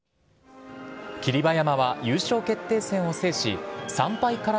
霧馬山は優勝決定戦を制し、３敗から